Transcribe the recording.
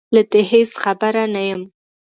له دې هېڅ خبره نه یم